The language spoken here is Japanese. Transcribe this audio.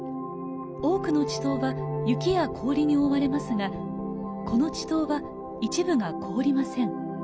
多くの池溏は雪や氷に覆われますがこの池溏は一部が凍りません。